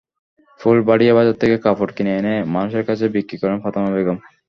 ফুলবাড়িয়া বাজার থেকে কাপড় কিনে এনে মানুষের কাছে বিক্রি করেন ফাতেমা বেগম।